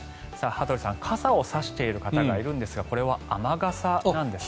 羽鳥さん、傘を差している方がいるんですがこれは雨傘なんですね。